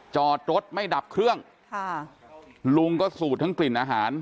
จอดรถไม่ดับเครื่องค่ะลุงก็สูดทั้งกลิ่นอาหาร